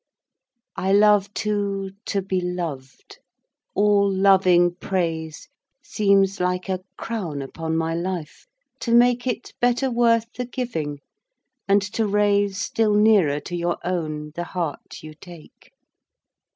I love, too, to be loved; all loving praise Seems like a crown upon my Life, to make It better worth the giving, and to raise Still nearer to your own the heart you take.